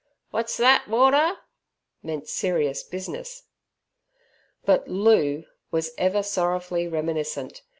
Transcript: "What's thet, Warder?" meant serious business. But "Loo" was ever sorrowfully reminiscent.